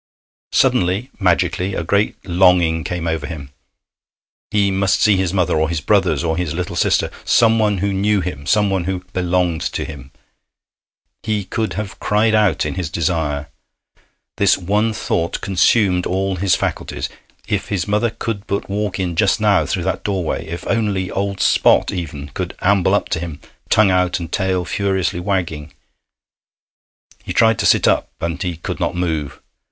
Suddenly, magically, a great longing came over him. He must see his mother, or his brothers, or his little sister someone who knew him, someone who belonged to him. He could have cried out in his desire. This one thought consumed all his faculties. If his mother could but walk in just now through that doorway! If only old Spot even could amble up to him, tongue out and tail furiously wagging! He tried to sit up, and he could not move!